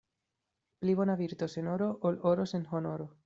Pli bona virto sen oro, ol oro sen honoro.